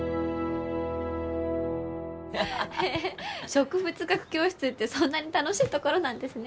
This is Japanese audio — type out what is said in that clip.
へえ植物学教室ってそんなに楽しいところなんですね。